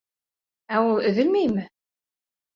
Ә ул... өҙөлмәйме?